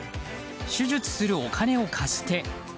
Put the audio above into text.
手術するお金を貸して。